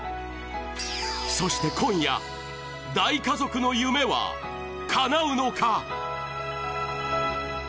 そして今夜、大家族の夢はかなうのか？